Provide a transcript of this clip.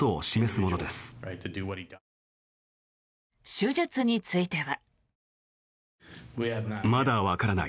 手術については。